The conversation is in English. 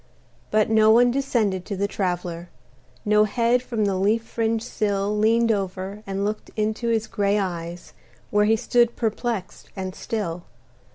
But no one descended to the Traveler; No head from the leaf fringed sill Leaned over and looked into his gray eyes, Where he stood perplexed and still.